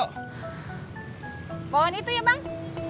pohon itu ya bang